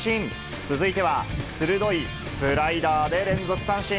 続いては鋭いスライダーで連続三振。